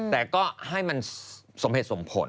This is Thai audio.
แต่ก็ให้มันสมเหตุสมผล